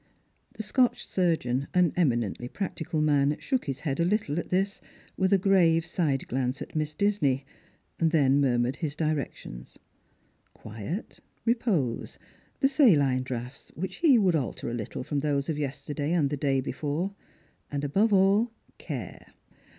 The Scotch surgeon, an eminently practical man, shook hia head a little at this, with a grave side glance at Miss Disney ; then murmured his directions: quiet — repose — the saline draughts, which he would alter a little from those of yesterday and the day before — and, above all, care.